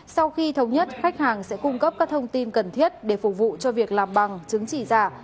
sau khi thống nhất khách hàng sẽ cung cấp các thông tin cần thiết để phục vụ cho việc làm bằng chứng chỉ giả